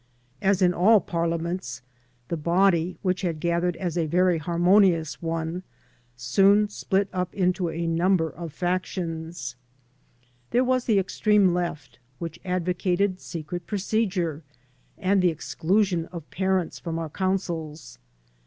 As in all parliaments, the body, which had gathered as a very harmonious one, soon split up into a number of factions. 35 AN AMERICAN IN THE MAKING There was the extreme Ieft> which advocated secret procedure and the exclusion of parents from our councils.